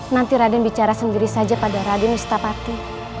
nanti raden bicara sendiri saja pada raden ustapati